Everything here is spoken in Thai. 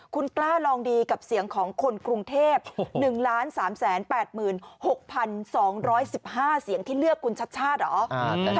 คุณกล้าลองดีกับเสียงของคนกรุงเทพ๑๓๘๖๒๑๕เสียงที่เลือกคุณชัดชาติเหรอ